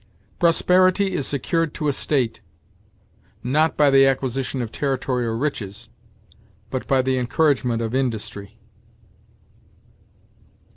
"Prosperity is secured to a state, not by the acquisition of territory or riches, but by the encouragement of industry."